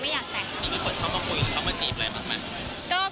มีคนเข้ามาคุยเข้ามาจีบอะไรบ้างมั้ย